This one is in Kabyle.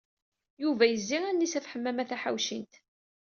Yuba yezzi allen-is ɣef Ḥemmama Taḥawcint.